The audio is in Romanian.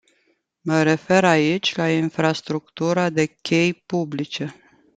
Mă refer aici la infrastructura de chei publice.